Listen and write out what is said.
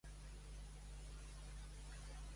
gent gran seure al carrer jugant a un joc.